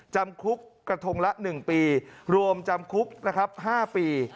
จำคุกกระทงละ๑ปีรวมจำคุกนะครับ๕ปี